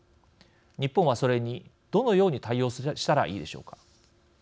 日本は、それにどのように対応したらいいでしょうか。